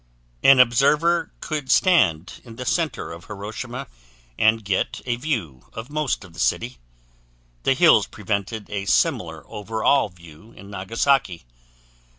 An observer could stand in the center of Hiroshima and get a view of the most of the city; the hills prevented a similar overall view in Nagasaki.